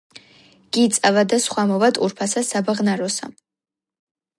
გი წავა და სხვა მოვა ტურფასა საბაღნაროსა;